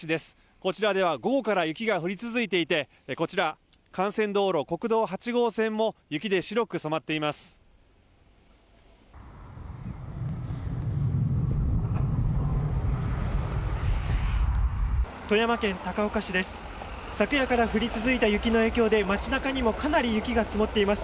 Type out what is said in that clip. こちらでは午後から雪が降り続いていて幹線道路、国道８号線の雪で白く染まっています。